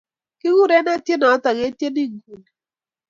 Kikure ne tyenotok ketyeni nguni?